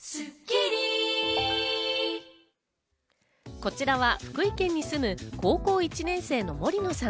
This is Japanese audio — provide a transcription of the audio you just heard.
こちらは福井県に住む高校１年生の森野さん。